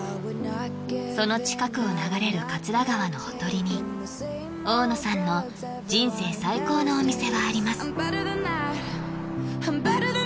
その近くを流れる桂川のほとりに大野さんの人生最高のお店はあります